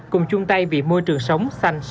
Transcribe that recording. cùng chung tay vì môi trường